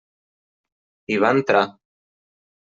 Hi va entrar.